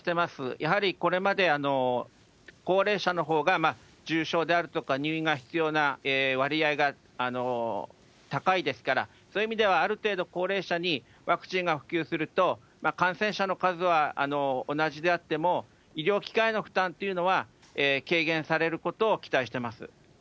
やはりこれまで、高齢者のほうが重症であるとか、入院が必要な割合が高いですから、そういう意味では、ある程度高齢者にワクチンが普及すると、感染者の数は同じであっても、医療機関の負担というのは軽減されることを期待してます。